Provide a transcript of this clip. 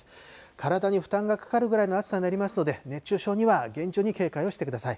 体に負担がかかるぐらいの暑さになりますので、熱中症には厳重に警戒をしてください。